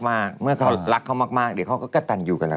เมื่อเขารักเขามากเดี๋ยวเขาก็กระตันอยู่กับเรา